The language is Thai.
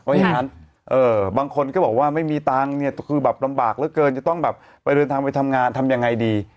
เพราะฉะนั้นบางคนก็บอกว่าไม่มีตังค์เนี่ยคือแบบลำบากเหลือเกินจะต้องแบบไปเดินทางไปทำงานทำยังไงดี